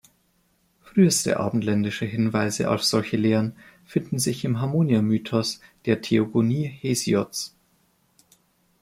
Früheste abendländische Hinweise auf solche Lehren finden sich im Harmonia-Mythos der Theogonie Hesiods.